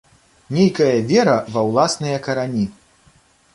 Нейкая вера ва ўласныя карані.